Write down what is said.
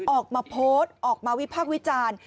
ออกมาโพสต์ออกมาวิพากษ์วิจารณ์